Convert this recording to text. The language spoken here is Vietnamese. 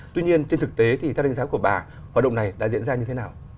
tuy nhiên trên thực tế thì theo đánh giá của bà hoạt động này đã diễn ra như thế nào